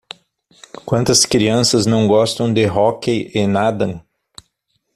Quantas crianças não gostam de hóquei e nadam?